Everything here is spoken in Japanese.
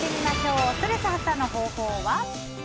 ストレス発散の方法は？